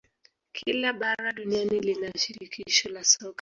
Kila bara duniani lina shirikisho la soka